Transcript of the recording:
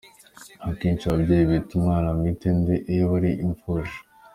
Akenshi ababyeyi bita umwana Mwitende iyo bari imfusha.